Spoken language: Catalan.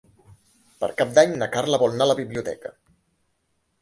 Per Cap d'Any na Carla vol anar a la biblioteca.